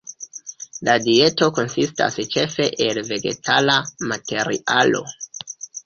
La dieto konsistas ĉefe el vegetala materialo.